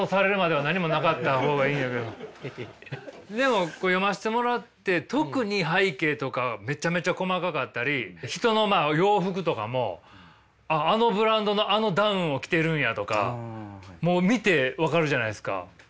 でも読ませてもらって特に背景とかはめちゃめちゃ細かかったり人の洋服とかもあのブランドのあのダウンを着てるんやとかもう見て分かるじゃないですか。